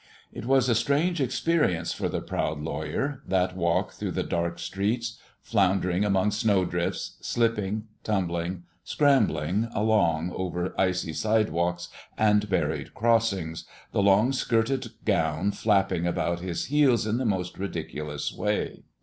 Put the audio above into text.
It was a strange experience for the proud lawyer, that walk through the dark streets, floundering among snow drifts, slipping, tumbling, scrambling along over icy sidewalks and buried crossings, the long skirted gown flapping about his heels in the most ridiculous way.